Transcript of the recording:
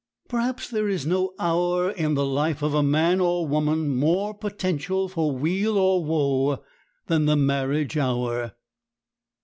Perhaps there is no hour in the life of a man or woman more potential for weal or woe than the marriage hour.